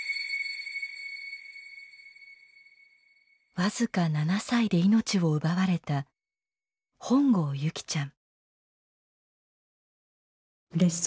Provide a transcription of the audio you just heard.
僅か７歳で命を奪われた本郷優希ちゃん。